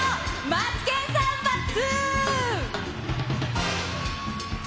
マツケンサンバＩＩ。